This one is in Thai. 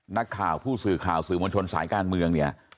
นักข่าวผู้สื่อข่าวสื่อมวลชนสายการเมืองเนี่ย